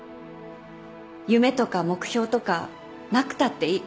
夢とか目標とかなくたっていい。